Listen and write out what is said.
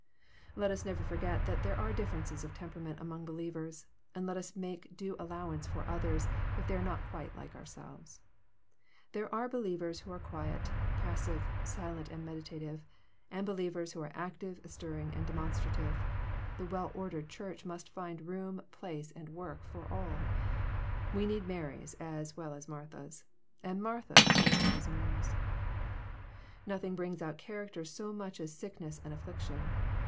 Let us never forget that there are differences of temperament among believers, and let us make due allowance for others if they are not quite like ourselves. There are believers who are quiet, passive, silent, and meditative ; and believers who are active, stirring, and demonstrative. The well ordered Church must find room, place, and work for all. We need Maiys as well as Marthas, and Marthas as well as Marys. Nothing brings out character so much as sickness and affliction.